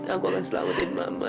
aku akan selamatkan mama